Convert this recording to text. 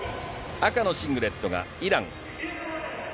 赤のシングレットがイラン。